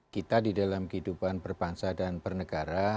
kita di dalam kehidupan berbangsa dan bernegara